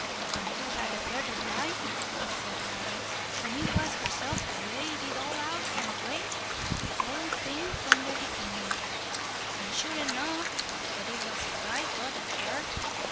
"And who had a betther right?" said Larry, "when it was herself that laid it all out complate, the whole thing from the beginnin', and sure enough but it was a bright thought of her.